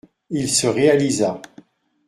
Il se réalisa.